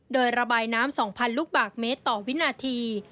โดยระบายน้ำ๒๐๐ลูกบาทเมตรต่อวินาที